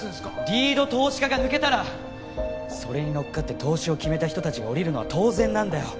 リード投資家が抜けたらそれに乗っかって投資を決めた人たちが降りるのは当然なんだよ。